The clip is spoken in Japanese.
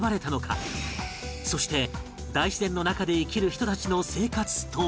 そして大自然の中で生きる人たちの生活とは？